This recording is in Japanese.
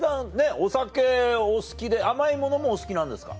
お酒お好きで甘いものもお好きなんですか？